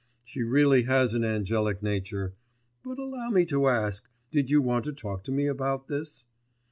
She really has an angelic nature; but allow me to ask, did you want to talk to me about this?